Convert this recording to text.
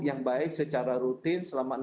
yang baik secara rutin selama